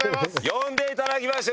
呼んでいただきました。